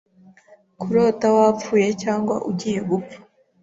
Kurota wapfuye cyangwa ugiye gupfa